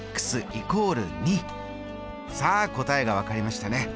さあ答えが分かりましたね。